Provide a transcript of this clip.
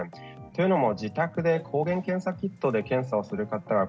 というのも自宅で抗原検査キットで検査する方が